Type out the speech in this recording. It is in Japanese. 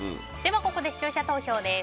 ここで視聴者投票です。